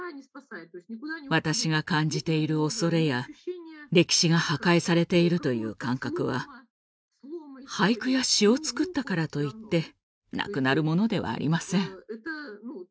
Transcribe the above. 私が感じている恐れや歴史が破壊されているという感覚は俳句や詩を作ったからといってなくなるものではありません。